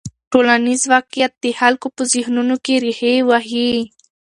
ټولنیز واقیعت د خلکو په ذهنونو کې رېښې وهي.